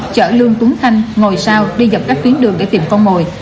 chở lương tuấn khanh ngồi sau đi dọc các tuyến đường để tìm con mồi